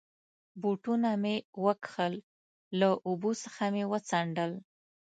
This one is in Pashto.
بوټونه مې و کښل، له اوبو څخه مې و څنډل.